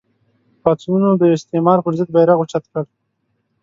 پاڅونونو د استعمار پر ضد بېرغ اوچت کړ